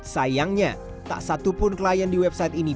sayangnya tak satupun klien di website ini